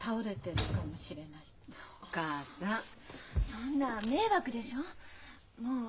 そんな迷惑でしょう？